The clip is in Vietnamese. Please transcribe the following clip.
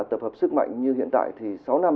tập hợp sức mạnh như hiện tại thì sáu năm